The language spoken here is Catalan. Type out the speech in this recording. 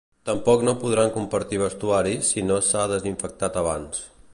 Tampoc no podran compartir vestuari si no s’ha desinfectat abans.